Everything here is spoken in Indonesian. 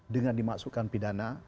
dengan dimaksudkan pidana